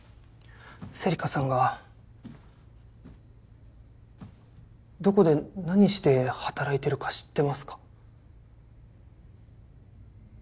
芹香さんがどこで何して働いてるか知ってますか？